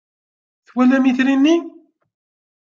Twalam itri-nni?